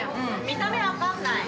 ・見た目分からない。